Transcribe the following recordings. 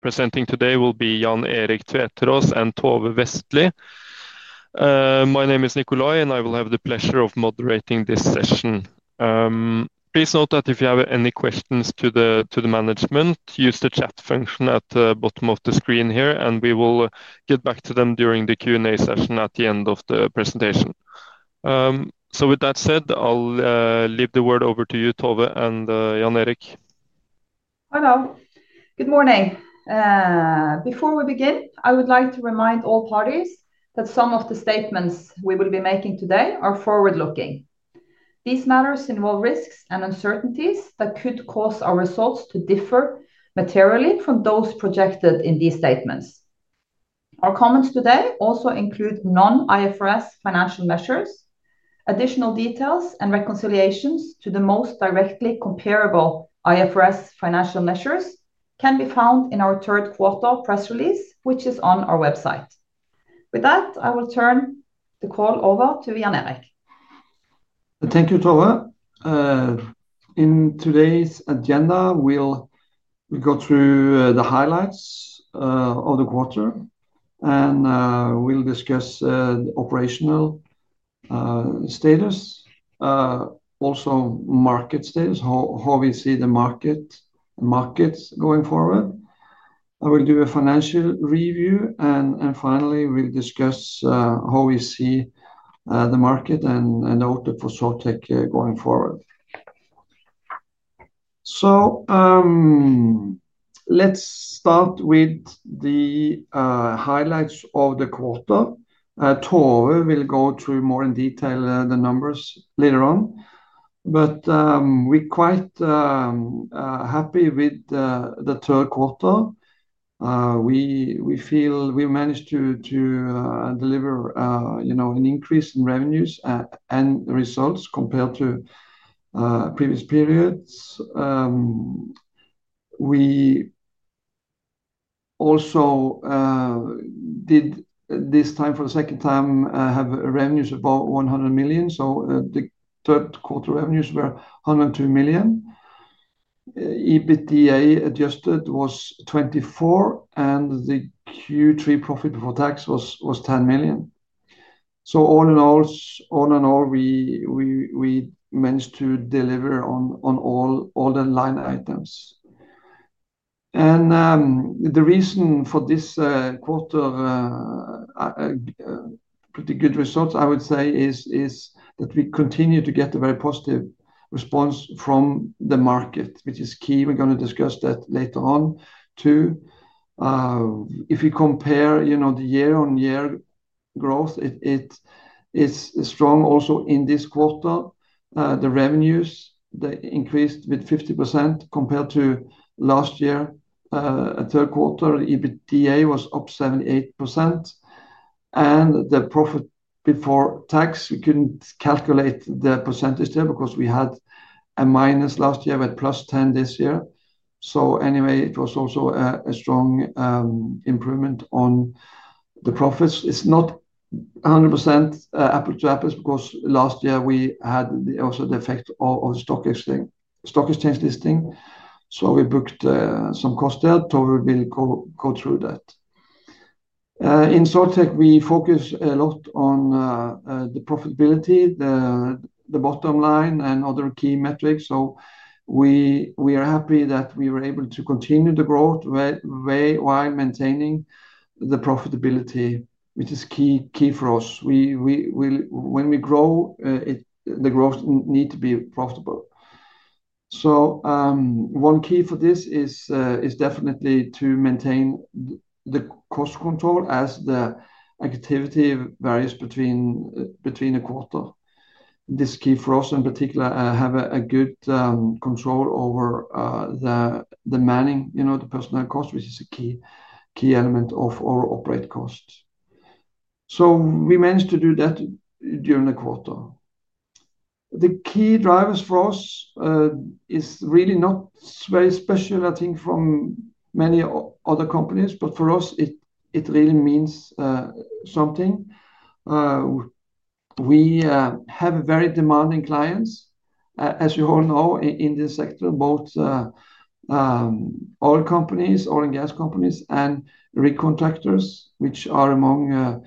Presenting today will be Jan Erik Tveteraas and Tove Vestlie. My name is Nikolay and I will have the pleasure of moderating this session. Please note that if you have any questions to the management, use the chat function at the bottom of the screen here and we will get back to them during the Q&A session at the end of the presentation. With that said, I'll leave the word over to you, Tove and Jan Erik. Hello. Good morning. Before we begin, I would like to remind all parties that some of the statements we will be making today are forward-looking. These matters involve risks and uncertainties that could cause our results to differ materially from those projected in these statements. Our comments today also include non-IFRS financial measures. Additional details and reconciliations to the most directly comparable IFRS financial measures can be found in our third quarter press release, which is on our website. With that, I will turn the call over to Jan Erik. Thank you, Tove. In today's agenda we'll go through the highlights of the quarter and we'll discuss operational status, also market status, how we see the markets going forward. I will do a financial review and finally we'll discuss how we see the market and out of Soiltech going forward. Let's start with the highlights of the quarter. We will go through more in detail the numbers later on. We are quite happy with the third quarter. We feel we managed to deliver, you know, an increase in revenues and results compared to previous periods. We also did this time for the second time have revenues about 100 million. The third quarter revenues were 102 million. Adjusted EBITDA was 24 million and the Q3 profit before tax was 10 million. All in all, we managed to deliver on all the line items and the reason for this quarter's pretty good results, I would say, is that we continue to get a very positive response from the market, which is key. We're going to discuss that later on too. If you compare the year-on-year growth, it's strong. Also in this quarter, the revenues increased by 50% compared to last year. Third quarter EBITDA was up 78% and the profit before tax, we couldn't calculate the percentage there because we had a minus last year with +10 this year. Anyway, it was also a strong improvement on the profits. It's not 100% apple to apple because last year we also had the effect of stock exchange listing, so we booked some cost there to go through that. In Soiltech, we focus a lot on the profitability, the bottom line, and other key metrics. We are happy that we were able to continue the growth while maintaining the profitability, which is key for us. When we grow, the growth needs to be profitable. One key for this is definitely to maintain the cost control as the activity varies between a quarter. This is key for us in particular, to have a good control over the manning, the personnel cost, which is a key element of our operating cost. We managed to do that during the quarter. The key drivers for us are really not very special, I think, from many other companies, but for us it really means something. We have very demanding clients, as you all know, in this sector. Both oil and gas companies and rig contractors, which are among the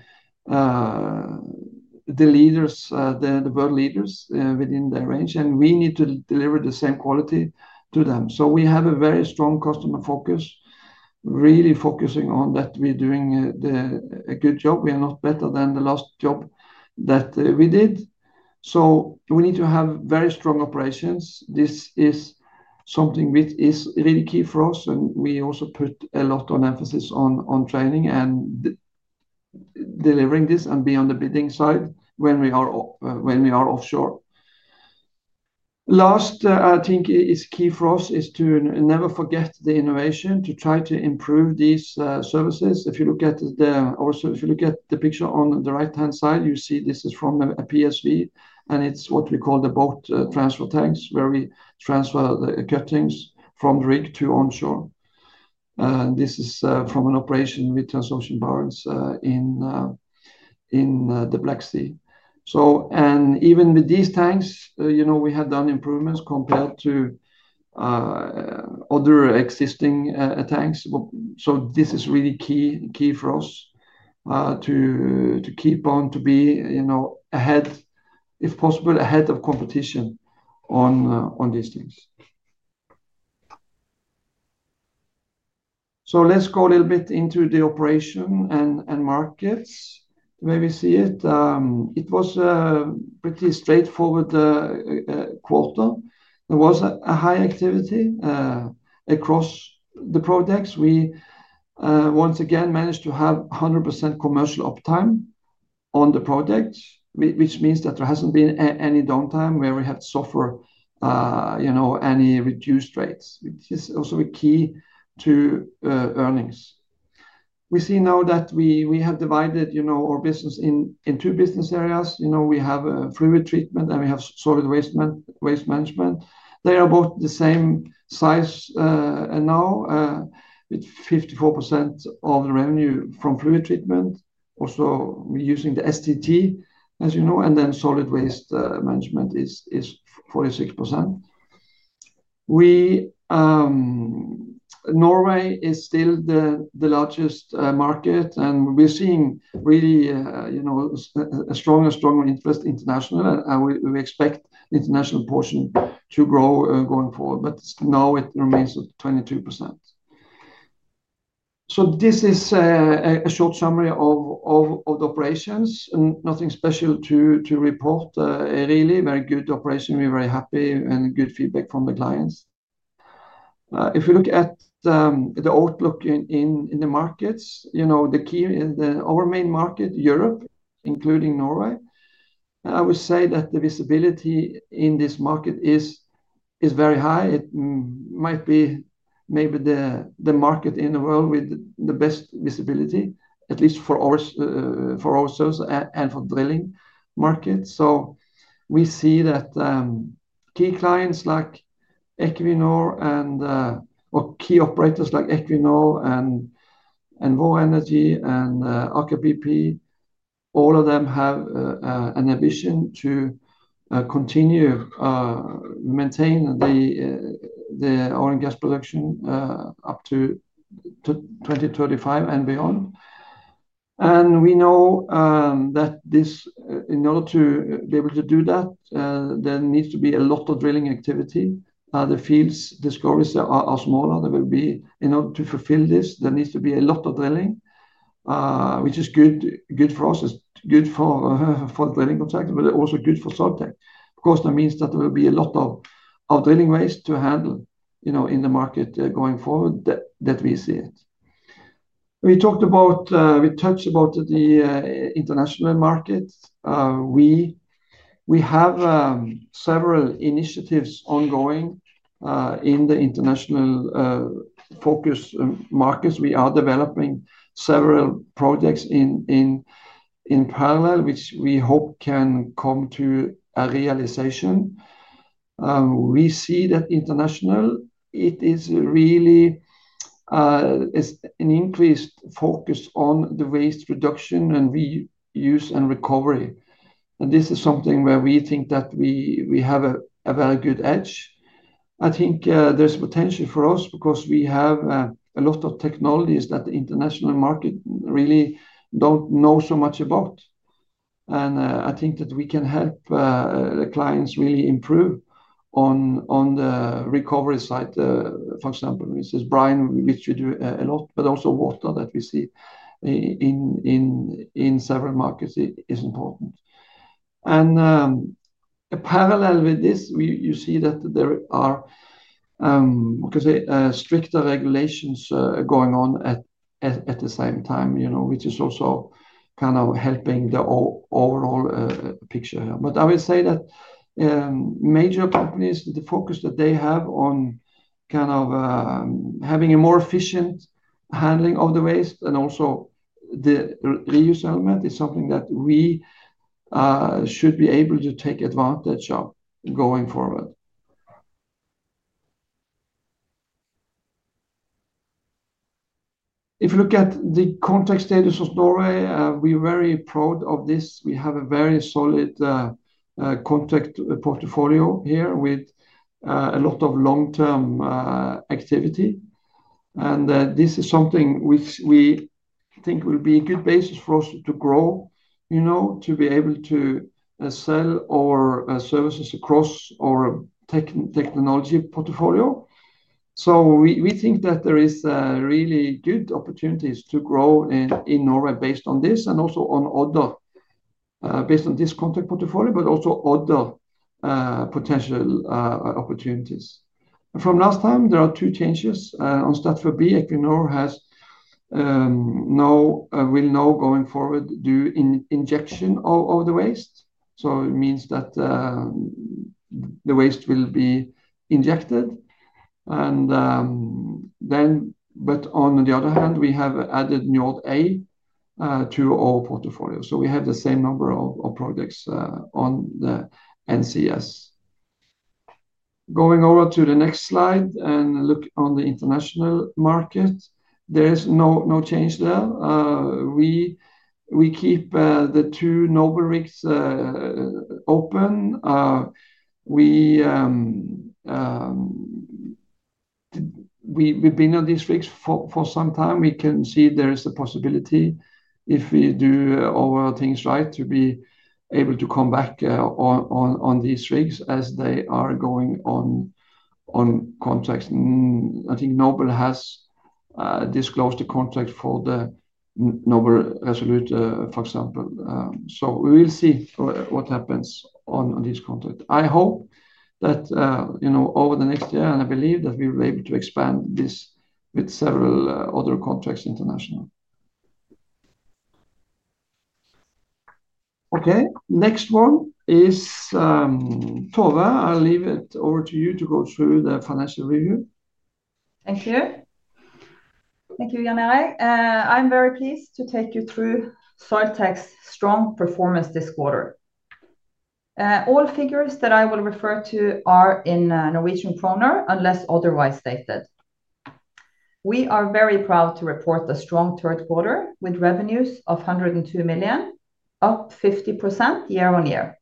world leaders within their range, and we need to deliver the same quality to them. We have a very strong customer focus, really focusing that we're doing a good job. We are not better than the last job that we did, so we need to have very strong operations. This is something which is really key for us and we also put a lot of emphasis on training and delivering this and be on the bidding side when we are offshore. Last, I think, is key for us is to never forget the innovation to try to improve these services. If you look at the. Also, if you look at the picture on the right-hand side, you see this is from a PSV and it's what we call the boat transfer tanks where we transfer the cuttings from the rig to onshore. This is from an operation with Transocean Barents in the Black Sea. Even with these tanks, we have done improvements compared to other existing tanks. This is really key for us to keep on, to be ahead if possible, ahead of competition on these things. Let's go a little bit into the operation and markets. Maybe see, it was a pretty straightforward quarter. There was high activity across the projects. We once again managed to have 100% commercial uptime on the project, which means that there hasn't been any downtime where we have suffered any reduced rates, which is also a key to earnings. We see now that we have divided our business in two business areas. We have Fluid Treatment and we have solid waste management. They are both the same size, and now with 54% of the revenue from Tluid Treatment, also using the STT as you know, and then solid waste management is 46%. Norway is still the largest market, and we're seeing really a stronger, stronger interest international, and we expect international portion to grow going forward, but now it remains at 22%. This is a short summary of the operations. Nothing special to report. Really very good operation. We're very happy and good feedback from the clients. If you look at the outlook in the markets, our main market, Europe, including Norway, I would say that the visibility in this market is very high. It might be maybe the market in the world with the best visibility, at least for ourselves and for drilling market. We see that key clients like Equinor and key operators like Equinor and Vår Energi and Aker BP, all of them have an ambition to continue to maintain the oil and gas production up to 2035 and beyond. We know that in order to be able to do that, there needs to be a lot of drilling activity. The fields, discoveries are smaller. In order to fulfill this, there needs to be a lot of drilling, which is good for us. It's good for drilling contact but also good for Soiltech. Of course, that means that there is a lot of drilling waste to handle in the market going forward as we see it. We touched about the international market. We have several initiatives ongoing in the international focus markets. We are developing several projects in parallel which we hope can come to a realization. We see that internationally it is really an increased focus on the waste reduction and reuse and recovery. This is something where we think that we have a very good edge. I think there's potential for us because we have a lot of technologies that the international market really don't know so much about. I think that we can help the clients really improve. On the recovery side, for example, which is brine, which we do a lot, but also water that we see in several markets is important. Parallel with this you see that there are stricter regulations going on at the same time, which is also kind of helping the overall picture. I will say that major companies, the focus that they have on kind of having a more efficient handling of the waste and also the reuse element is something that we should be able to take advantage of going forward. If you look at the contract status of Norway, we're very proud of this. We have a very solid contract portfolio here with a lot of long-term activity. This is something which we think will be a good basis for us to grow, to be able to sell our services across our technology portfolio. We think that there are really good opportunities to grow in Norway based on this and also on other potential opportunities. From last time, there are two changes on status. Equinor will now going forward do injection of the waste. It means that the waste will be injected. On the other hand, we have added new A to our portfolio so we have the same number of projects on the NCS. Going over to the next slide and look on the international market, there is no change there. We keep the two Noble rigs open. We've been on these rigs for some time. We can see there is a possibility if we do overall things right to be able to come back on these rigs as they are going on contracts. I think Noble has disclosed the contract for the Noble Resolute, for example. We will see what happens on this contract. I hope that over the next year and I believe that we are able to expand this with several other contracts international. Okay, next one is Tove. I'll leave it over to you to go through the financial review. Thank you. Thank you, Jan Erik. I'm very pleased to take you through Soiltech's strong performance this quarter. All figures that I will refer to are in Norwegian krona unless otherwise stated. We are very proud to report a strong third quarter with revenues of 102 million, up 50% year-on-year.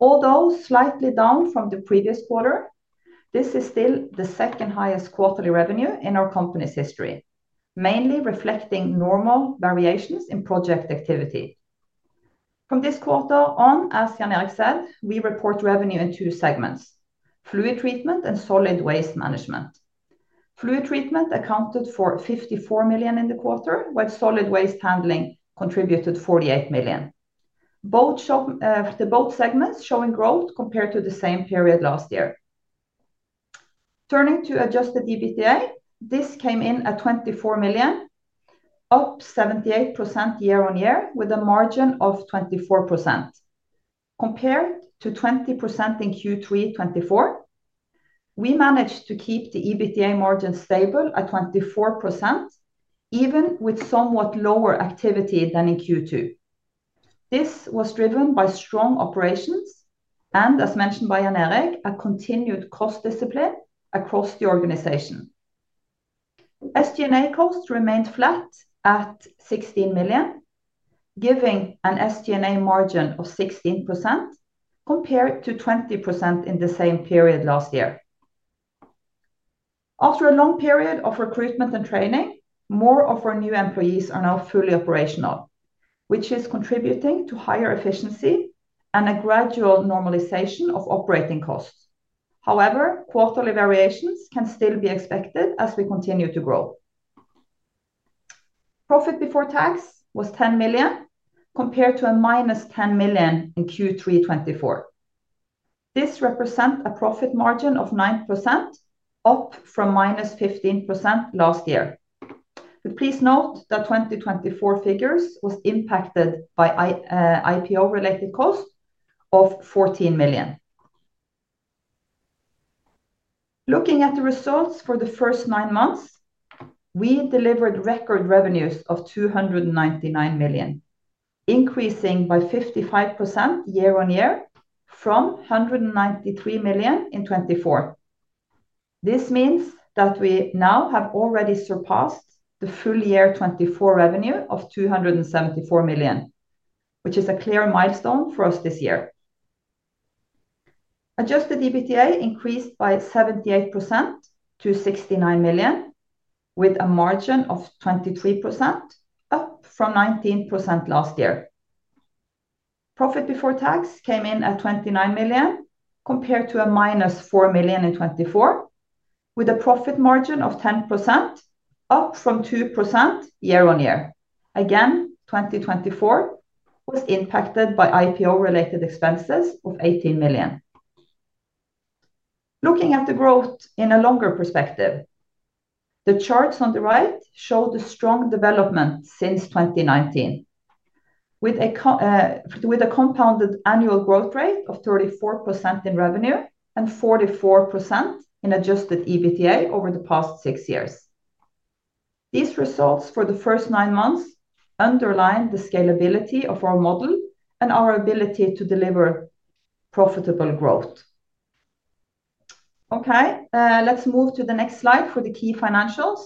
Although slightly down from the previous quarter, this is still the second highest quarterly revenue in our company's history, mainly reflecting normal variations in project activity. From this quarter on, as Jan Erik said, we report revenue in two segments, Fluid Treatment and Solid Waste Management. Fluid Treatment accounted for 54 million in the quarter, while Solid Waste Handling contributed 48 million. Both segments showing growth compared to the same period last year. Turning to adjusted EBITDA, this came in at 24 million, up 78% year-on-year with a margin of 24% compared to 20% in Q3 2024. We managed to keep the EBITDA margin stable at 24% even with somewhat lower activity than in Q2. This was driven by strong operations and, as mentioned by Jan Erik, a continued cost discipline across the organization. SG&A costs remained flat at 16 million, giving an SG&A margin of 16% compared to 20% in the same period last year. After a long period of recruitment and training, more of our new employees are now fully operational, which is contributing to higher efficiency and a gradual normalization of operating costs. However, quarterly variations can still be expected as we continue to grow. Profit before tax was 10 million compared to a minus 10 million in Q3 2024. This represents a profit margin of 9% up from -15% last year. Please note that 2024 figures were impacted by IPO related cost of NOK 14 million. Looking at the results for the first nine months, we delivered record revenues of 299 million, increasing by 55% year-on-year from 193 million in 2024. This means that we now have already surpassed the full year 2024 revenue of 274 million, which is a clear milestone for us this year. Adjusted EBITDA increased by 78% to 69 million with a margin of 23% up from 19% last year. Profit before tax came in at 29 million compared to a -4 million in 2024 with a profit margin of 10% up from 2% year-on-year. Again, 2024 was impacted by IPO related expenses of 18 million. Looking at the growth in a longer perspective, the charts on the right show the strong development since 2019 with a compounded annual growth rate of 34% in revenue and 44% in adjusted EBITDA over the past six years. These results for the first nine months underline the scalability of our model and our ability to deliver profitable growth. Let's move to the next slide for the key financials.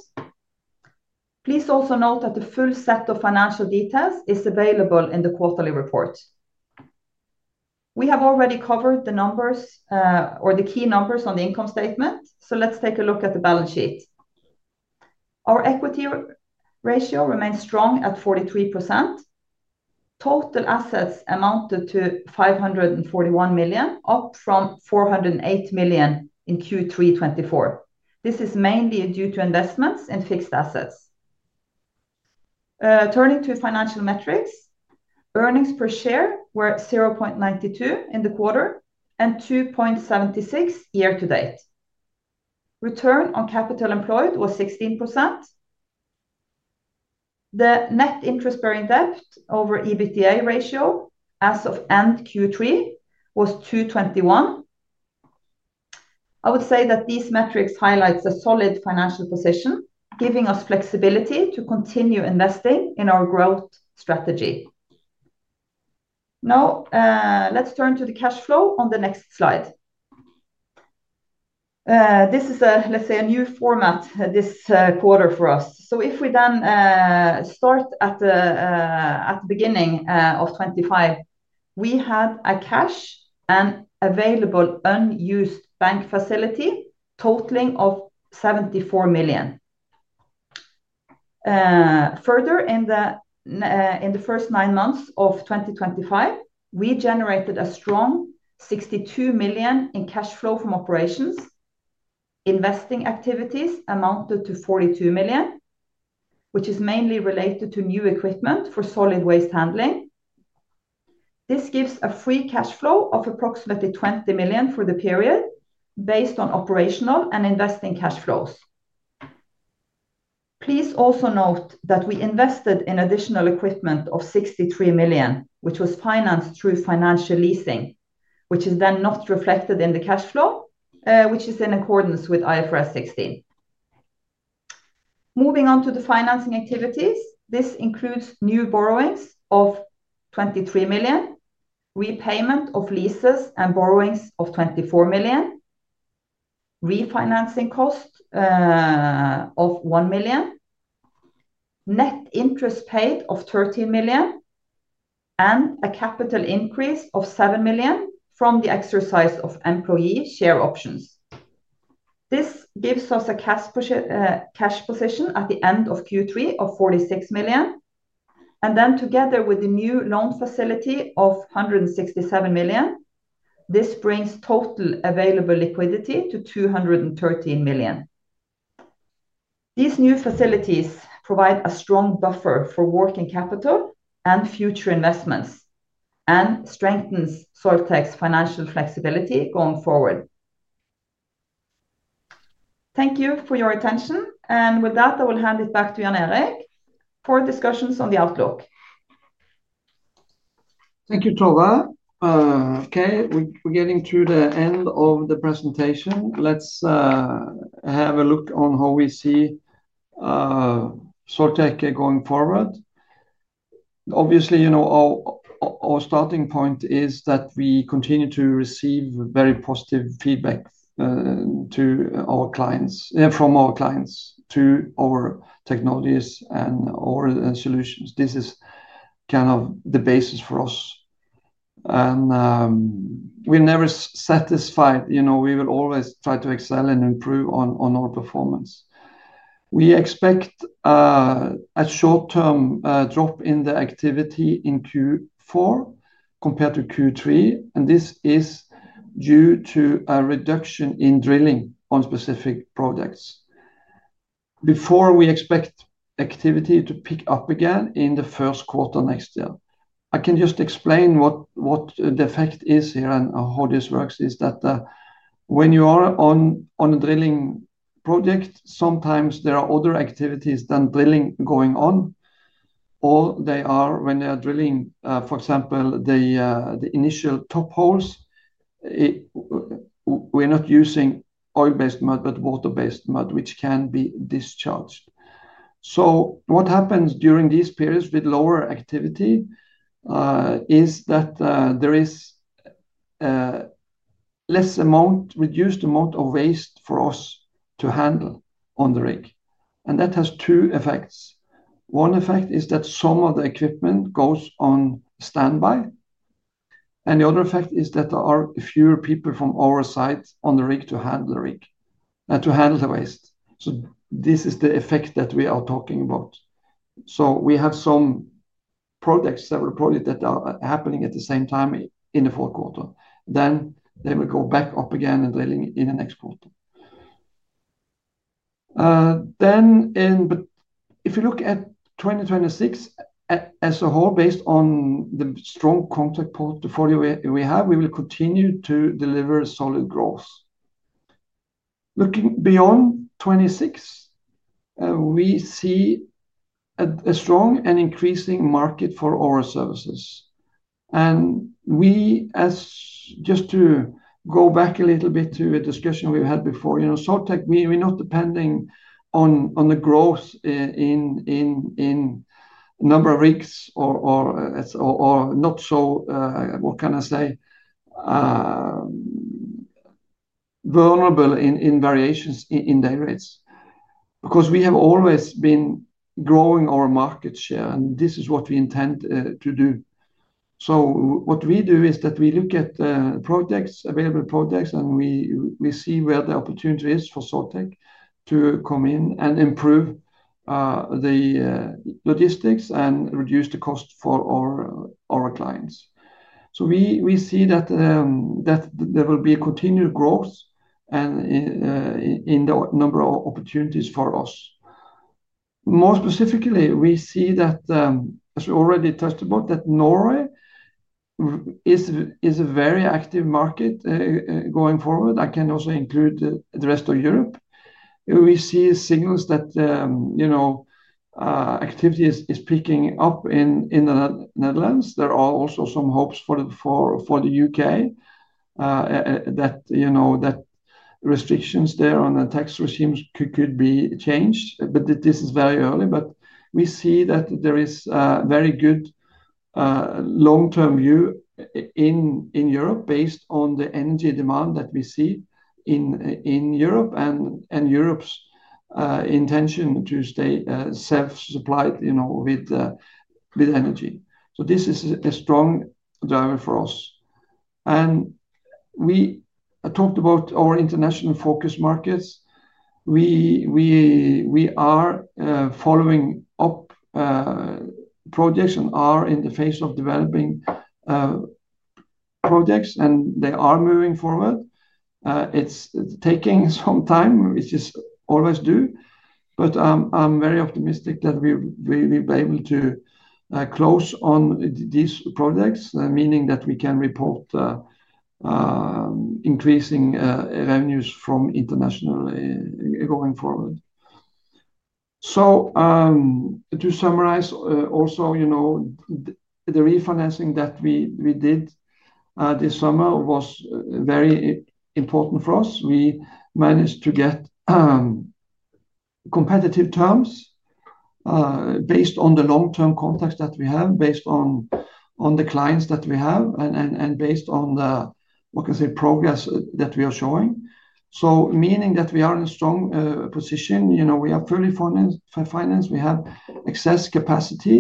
Please also note that the full set of financial details is available in the quarterly report. We have already covered the numbers or the key numbers on the income statement, so let's take a look at the balance sheet. Our equity ratio remains strong at 43%. Total assets amounted to 541 million, up from 408 million in Q3 2024. This is mainly due to investments in fixed assets. Turning to financial metrics, earnings per share were 0.92 in the quarter and 2.76 year to date. Return on capital employed was 16%. The net interest-bearing debt over EBITDA ratio as of end Q3 was 2.21. I would say that these metrics highlight a solid financial position giving us flexibility to continue investing in our growth strategy. Now let's turn to the cash flow on the next slide. This is a new format this quarter for us. If we then start at the beginning of 2025, we had a cash and available unused bank facility totaling NOK 74 million. Further, in the first nine months of 2025, we generated a strong 62 million in cash flow from operations. Investing activities amounted to 42 million, which is mainly related to new equipment for Solid Waste Handling. This gives a free cash flow of approximately 20 million for the period based on operational and investing cash flows. Please also note that we invested in additional equipment of 63 million which was financed through financial leasing, which is then not reflected in the cash flow which is in accordance with IFRS 16. Moving on to the financing activities, this includes new borrowings of 23 million, repayment of leases and borrowings of 24 million, refinancing cost of 1 million, net interest paid of 13 million, and a capital increase of 7 million from the exercise of employee share options. This gives us a cash position at the end of Q3 of 46 million and then together with the new loan facility of 167 million, this brings total available liquidity to 213 million. These new facilities provide a strong buffer for working capital and future investments and strengthen Soiltech's financial flexibility going forward. Thank you for your attention. With that, I will hand it back to Jan Erik for discussions on the outlook. Thank you, Tove. Okay, we're getting to the end of the presentation. Let's have a look on how we see Soiltech going forward. Obviously, you know our starting point is that we continue to receive very positive feedback from our clients to our technologies and our solutions. This is kind of the basis for us and we're never satisfied. You know, we will always try to excel and improve on our performance. We expect a short term drop in the activity in Q4 compared to Q3. This is due to a reduction in drilling on specific projects before we expect activity to pick up again in the first quarter next year. I can just explain what the effect is here and how this works is that when you are on a drilling project, sometimes there are other activities than drilling going on or when they are drilling. For example, the initial top holes, we're not using oil based mud, but water based mud which can be discharged. What happens during these periods with lower activity is that there is. Less. Amount, reduced amount of waste for us to handle on the rig. That has two effects. One effect is that some of the equipment goes on standby, and the other effect is that there are fewer people from oversight on the rig to handle the waste. This is the effect that we are talking about. We have some products, several projects that are happening at the same time in the fourth quarter. They will go back up again and drilling in the next quarter. If you look at 2026 as a whole, based on the strong contract portfolio we have, we will continue to deliver solid growth. Looking beyond 2026, we see a strong and increasing market for our services. Just to go back a little bit to a discussion we've had before, you know, Soiltech, we're not depending on the growth in number of weeks or not. We are not vulnerable in variations in day rates because we have always been growing our market share, and this is what we intend. What we do is that we look at projects, available projects, and we see where the opportunity is for Soiltech to come in and improve the logistics and reduce the cost for our clients. We see that there will be a continued growth in the number of opportunities for us. More specifically, we see that, as we already touched on, Norway is a very active market going forward. I can also include the rest of Europe. We see signals that activity is picking up in the Netherlands. There are also some hopes for the U.K. that restrictions there on the tax regimes could be changed. This is very early, but we see that there is a very good long-term view in Europe based on the energy demand that we see in Europe and Europe's intention to stay self-supplied with energy. This is a strong driver for us, and we talked about our international focus markets. We are following up projects and are in the phase of developing projects, and they are moving forward. It's taking some time, which it always does, but I'm very optimistic that we've been able to close on these projects, meaning that we can report increasing revenues from international going forward. To summarize, the refinancing that we did this summer was very important for us. We managed to get competitive terms based on the long-term context that we have, based on the clients that we have, and based on the progress that we are showing. This means that we are in a strong position. We are fully financed. We have excess capacity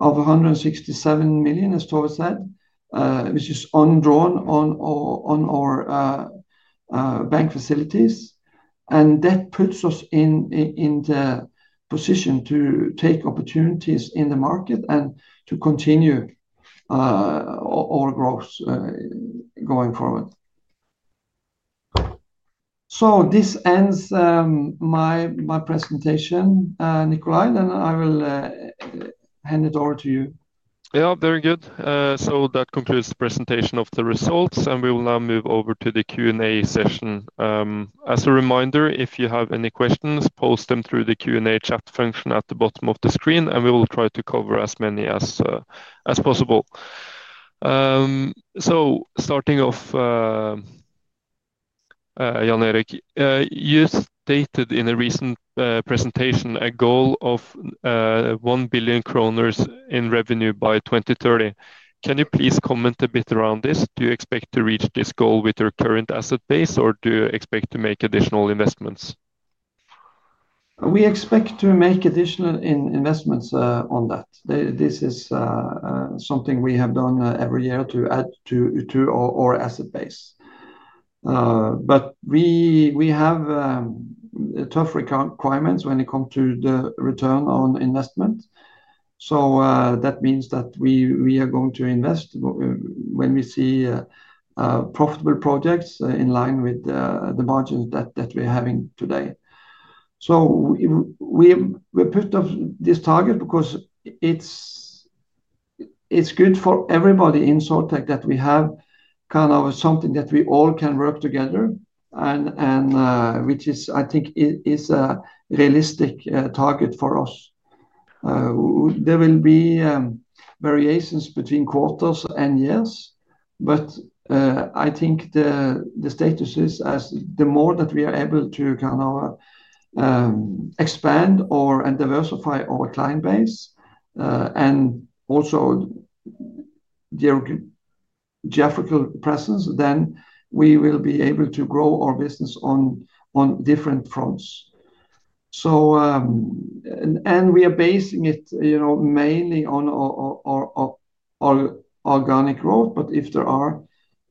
of 167 million, as Tove said, which is undrawn on our bank facilities. That puts us in the position to take opportunities in the market and to continue our growth going forward. This ends my presentation, Nikolay, then I will hand it over to you. Yeah, very good. That concludes the presentation of the results and we will now move over to the Q&A session. As a reminder, if you have any questions, post them through the Q&A chat function at the bottom of the screen and we will try to cover as many as possible. Starting off, Jan Erik, you stated in a recent presentation a goal of 1 billion kroner in revenue by 2030. Can you please comment a bit around this? Do you expect to reach this goal with your current asset base or do you expect to make additional investment? We expect to make additional investments on that. This is something we have done every year to add to our asset base. We have tough requirements when it comes to the return on investment. That means that we are going to invest when we see profitable projects in line with the margins that we're having today. We put this target because it's good for everybody in Soiltech that we have kind of something that we all can work together, which I think is a realistic target for us. There will be variations between quarters and years, but I think the status is as the more that we are able to expand and diversify our client base and also geographical presence, then we will be able to grow our business on different fronts. We are basing it mainly on organic growth. If there are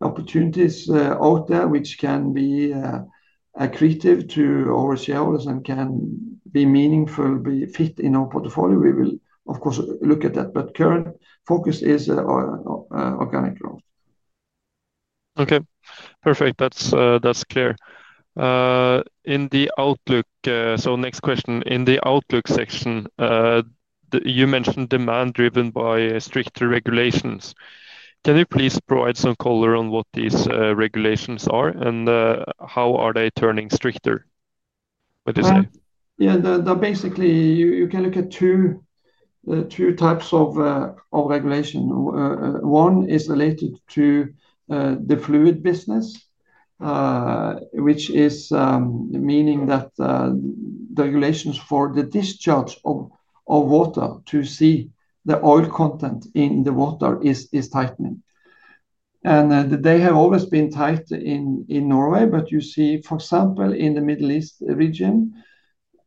opportunities out there which can be accretive to our shareholders and can be meaningful, be fit in our portfolio, we will of course look at that. Current focus is organic growth. Okay, perfect. That's clear in the Outlook. Next question. In the Outlook section you mentioned demand driven by stricter regulations. Can you please provide some color on what these regulations are and how are they turning stricter? Yeah, basically you can look at two types of regulation. One is related to the Fluid Business, which is meaning that the regulations for the discharge of water to sea, the oil content in the water is tightening, and they have always been tight in Norway. You see, for example, in the Middle East region,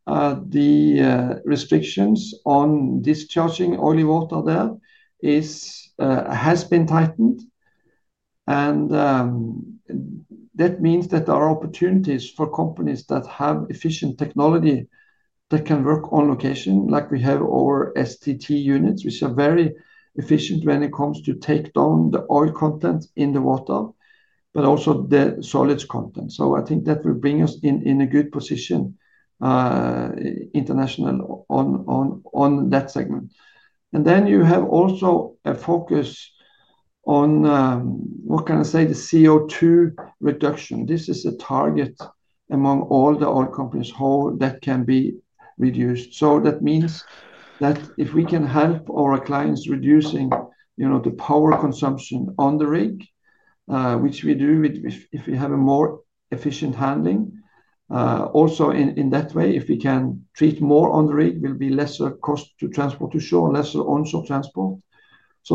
the restrictions on discharging oily water there have been tightened. That means that there are opportunities for companies that have efficient technology that can work on location. Like we have our STT units, which are very efficient when it comes to take down the oil content in the water, but also the solids content. I think that will bring us in a good position international on that segment. You have also a focus on, what can I say, the CO₂ reduction. This is a target among all the oil companies, how that can be reduced. That means that if we can help our clients reducing, you know, the power consumption on the rig, which we do with, if we have a more efficient handling also in that way, if we can treat more on the rig, will be lesser cost to transport to shore, lesser onshore transport.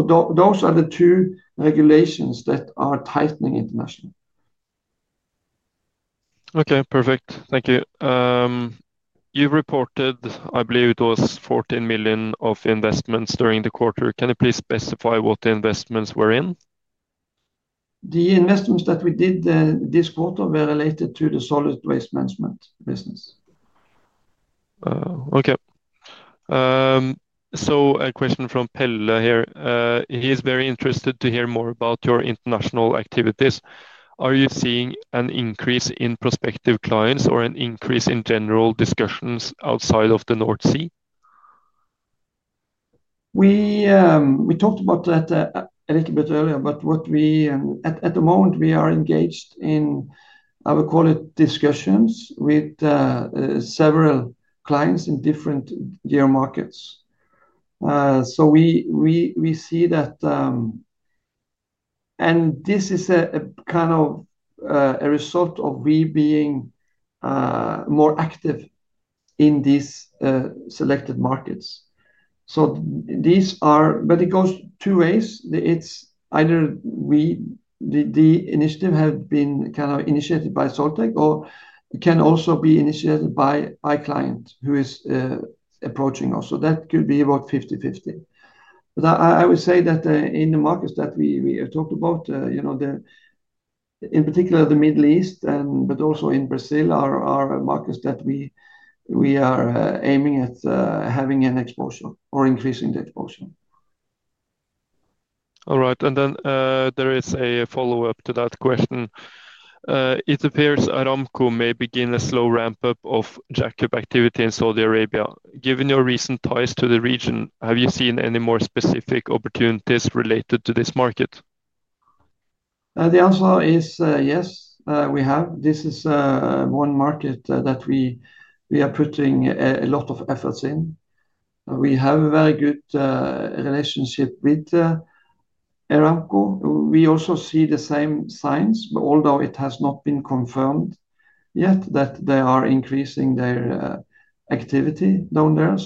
Those are the two regulations that are tightening international. Okay, perfect. Thank you. You reported, I believe it was 14 million of investments during the quarter. Can you please specify what investments were in. The investments that we did this quarter were related to the solid waste management business. Okay, a question from Pel here. He is very interested to hear more about your international activities. Are you seeing an increase in prospective clients or an increase in general discussions outside of the North Sea? We talked about that a little bit earlier. At the moment, we are engaged in, I would call it, discussions with several clients in different key markets. We see that. And This is a kind of a result of we being more active in these selected markets. These are. It goes two ways. It's either the initiative has been kind of initiated by Soiltech or can also be initiated by my client who is approaching also. That could be about 50/50. I would say that in the markets that we talked about, in particular the Middle East, but also in Brazil, are markets that we are aiming at having an exposure or increasing the exposure. All right, there is a follow up to that question. It appears Aramco may begin a slow ramp up of jackup activity in Saudi Arabia. Given your recent ties to the region, have you seen any more specific opportunities related to this market? The answer is yes, we have. This is one market that we are putting a lot of efforts in. We have a very good relationship with Aramco. We also see the same signs, although it has not been confirmed yet, that they are increasing their activity down there.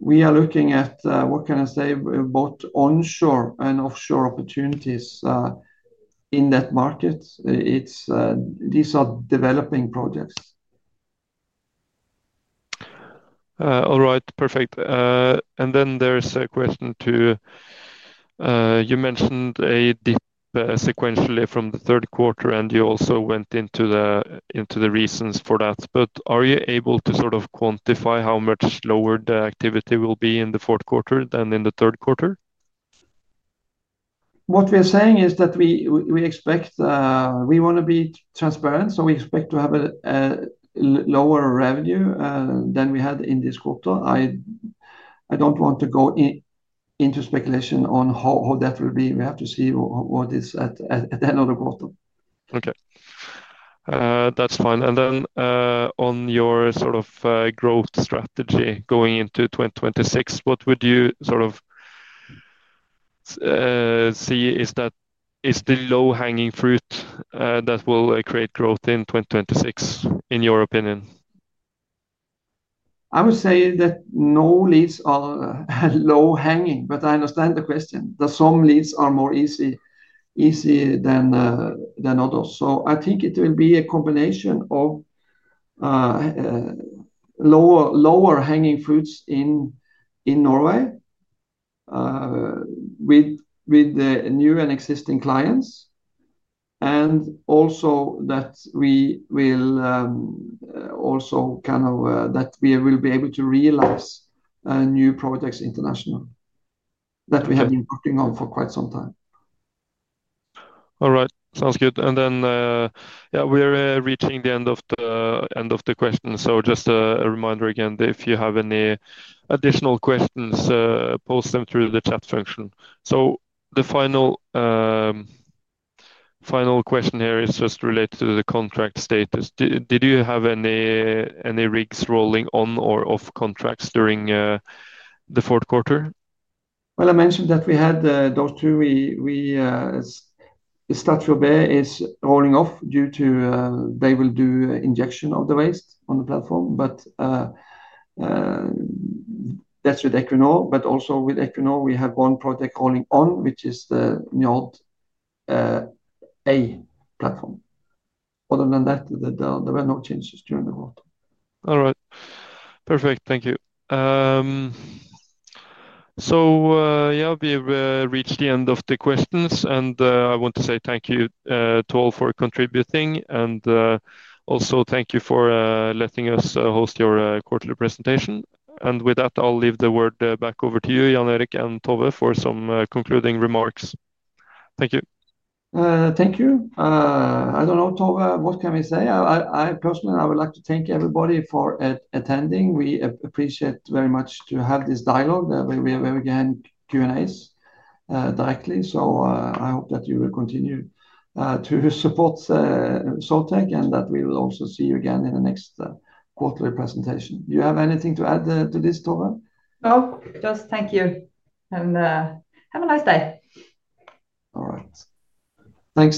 We are looking at, what can I say, both onshore and offshore opportunities in that market. These are developing projects. All right, perfect. There's a question too. You mentioned a dip sequentially from the third quarter, and you also went into the reasons for that. Are you able to sort of quantify how much lower the activity will be in the fourth quarter than in the third quarter? What we're saying is that we want to be transparent. We expect to have a lower revenue than we had in this quarter. I don't want to go into speculation on how that will be. We have to see what is at the end of the quarter. Okay, that's fine. On your sort of growth strategy going into 2026, what would you sort of see is the low hanging fruit that will create growth in 2026 in your opinion? I would say that no leads are low hanging. I understand the question that some leads are more easy than others. I think it will be a combination of lower hanging fruits in Norway with the new and existing clients, and also that we will be able to realize new projects international that we have been working on for quite some time. All right, sounds good. We're reaching the end of the question. Just a reminder again, if you have additional questions, post them through the chat function. The final question here is just related to the contract status. Did you have any rigs rolling on or off contracts during the fourth quarter? I mentioned that we had those two. Statue Bear is rolling off due to they will do injection of the waste on the platform. That's with Equinor. Also with Equinor we have one project calling on which is the new A platform. Other than that, there were no changes during the quarter. All right, perfect. Thank you. We reached the end of the questions and I want to say thank you to all for contributing and also thank you for letting us host your quarterly presentation. With that, I'll leave the word back over to you, Jan Erik and Tove, for some concluding remarks. Thank you. Thank you. I don't know, Tove, what can we say? Personally, I would like to thank everybody for attending. We appreciate very much to have this dialogue where we can Q&As directly. I hope that you will continue to support Soiltech and that we will also see you again in the next quarterly presentation. Do you have anything to add to this, Tove? No, just thank you and have a nice day. All right, thanks.